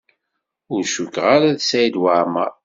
Ur cukkeɣ ara d Saɛid Waɛmaṛ.